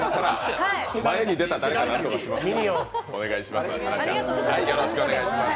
前に出たら何とかしますから、お願いします。